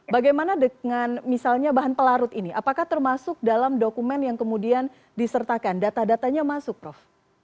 bagaimana dengan misalnya bahan pelarut ini apakah termasuk dalam dokumen yang kemudian disertakan data datanya masuk prof